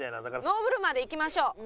ノーブルマでいきましょう。